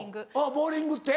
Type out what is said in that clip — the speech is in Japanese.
ボウリングって？